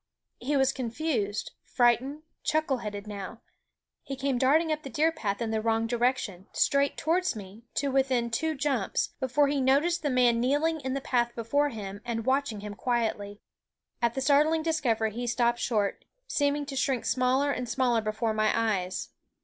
He was confused, frightened, chuckle headed now; he came darting up the deer path in the wrong direction, straight towards me, to within two jumps, before he noticed the man kneeling in the path before him and watching him quietly. At the startling discovery he stopped short, seeming to shrink smaller and smaller before my eyes.